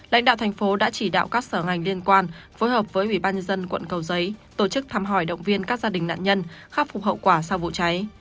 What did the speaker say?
lãnh đạo tp đã chỉ đạo các sở ngành liên quan phối hợp với ubnd quận cầu giấy tổ chức thăm hỏi động viên các gia đình nạn nhân khắc phục hậu quả sau vụ cháy